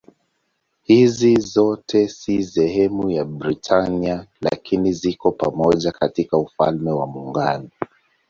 Hizi zote si sehemu ya Britania lakini ziko pamoja katika Ufalme wa Muungano.